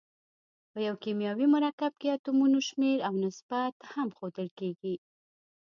په یو کیمیاوي مرکب کې اتومونو شمیر او نسبت هم ښودل کیږي.